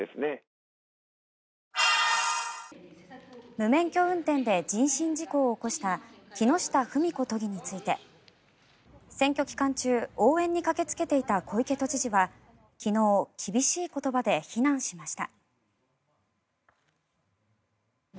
無免許運転で人身事故を起こした木下富美子都議について選挙期間中応援に駆けつけていた小池都知事は昨日厳しい言葉で非難しました。